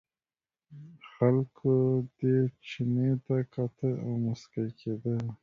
خلکو دې چیني ته کاته او مسکي کېدل.